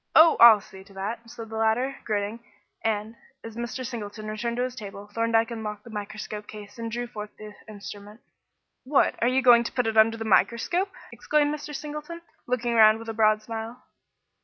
"Oh, I'll see to that," said the latter, grinning; and, as Mr. Singleton returned to his table, Thorndyke unlocked the microscope case and drew forth the instrument. "What, are you going to put it under the microscope?" exclaimed Mr. Singleton, looking round with a broad smile.